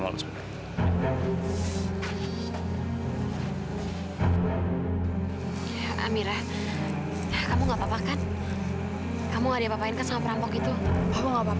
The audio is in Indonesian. lu tuh yang gak pantas sama dia